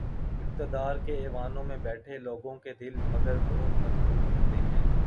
اقتدار کے ایوانوں میں بیٹھے لوگوں کے دل، مگر بہت مضبوط ہوتے ہیں۔